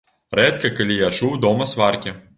Рэдка калі я чуў дома сваркі.